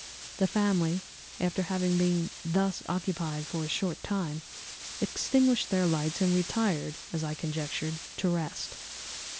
"The family, after having been thus occupied for a short time, extinguished their lights and retired, as I conjectured, to rest."